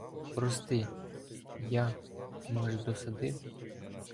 Прости! я, може, досадив.